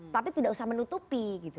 tapi tidak usah menutupi